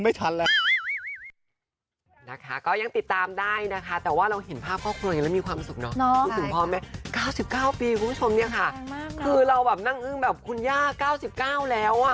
พูดถึงพ่อแม่๙๙ปีคุณผู้ชมเนี่ยค่ะคือเราแบบนั่งอึ้งแบบคุณย่า๙๙แล้วอ่ะ